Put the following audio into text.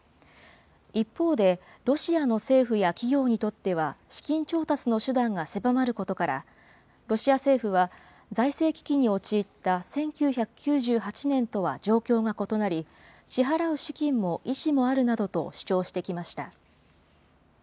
一方で、ロシアの政府や企業にとっては、資金調達の手段が狭まることから、ロシア政府は財政危機に陥った１９９８年とは状況が異なり、支払う資金も意思もあるなどと主張してきました。